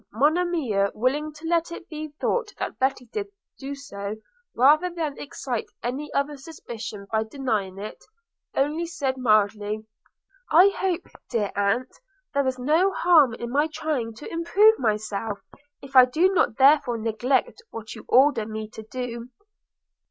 Monimia, willing to let it be thought that Betty did do so, rather than excite any other suspicion by denying it, only said mildly – 'I hope, dear aunt, there is no harm in my trying to improve myself, if I do not therefore neglect what you order me to do?'